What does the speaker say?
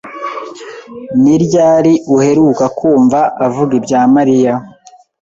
Ni ryari uheruka kumva avuga ibya Mariya?